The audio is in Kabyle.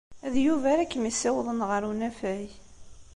D Yuba ara kem-yessiwḍen ɣer unafag.